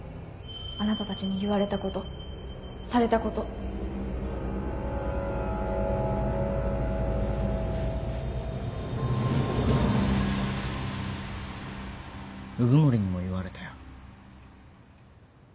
あなたたちに言われたことされたこと鵜久森にも言われたよ。